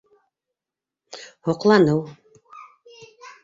Һоҡланыу.